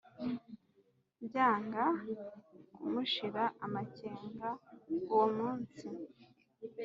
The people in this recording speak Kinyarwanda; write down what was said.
byanga kumushira amakenga uwo munsi